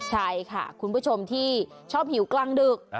ใช่ค่ะคุณผู้ชมที่ชอบหิวกลางดึก